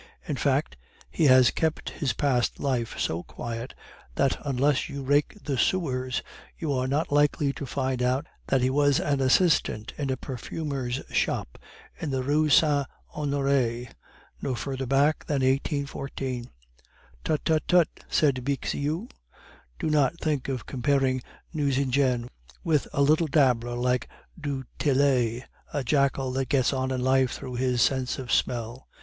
In fact, he has kept his past life so quiet, that unless you rake the sewers you are not likely to find out that he was an assistant in a perfumer's shop in the Rue Saint Honore, no further back than 1814." "Tut, tut, tut!" said Bixiou, "do not think of comparing Nucingen with a little dabbler like du Tillet, a jackal that gets on in life through his sense of smell.